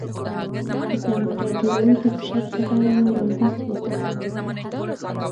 د کمپیوټر جوړونکي په شک سره یو وړاندیز وکړ